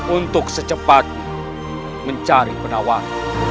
untuk secepatnya mencari penawar